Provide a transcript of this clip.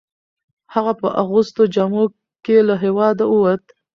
هغه په اغوستو جامو کې له هیواده وووت.